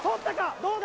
どうだ？